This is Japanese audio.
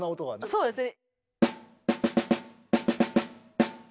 そうですね。